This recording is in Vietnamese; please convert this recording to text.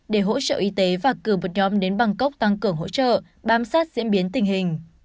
để hỗ trợ y tế và cử một nhóm đến bangkok tăng cường hỗ trợ bám sát diễn biến tình hình